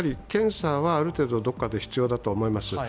検査はある程度どこかで必要だと思います。